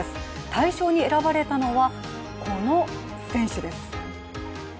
大賞に選ばれたのはこの選手です。